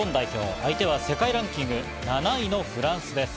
相手は世界ランキング７位のフランスです。